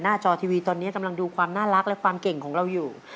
จอทีวีตอนนี้กำลังดูความน่ารักและความเก่งของเราอยู่